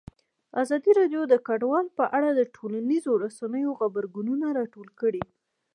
ازادي راډیو د کډوال په اړه د ټولنیزو رسنیو غبرګونونه راټول کړي.